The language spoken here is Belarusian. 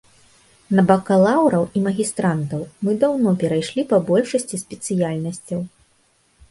На бакалаўраў і магістрантаў мы даўно перайшлі па большасці спецыяльнасцяў.